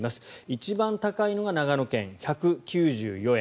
一番高いのが長野県、１９４円。